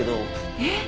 えっ！